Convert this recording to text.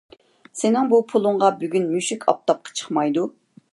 سېنىڭ بۇ پۇلۇڭغا بۈگۈن مۈشۈك ئاپتاپقا چىقمايدۇ.